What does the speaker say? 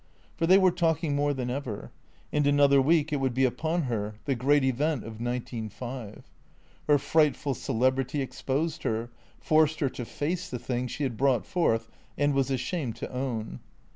For they were talking more than ever. In another week it would be upon her, the Great Event of nineteen five. Her frightful celebrity exposed her, forced her to face the thing she had brought forth and was ashamed to own.